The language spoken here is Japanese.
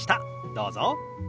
どうぞ。